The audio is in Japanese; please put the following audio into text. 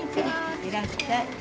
いらっしゃい。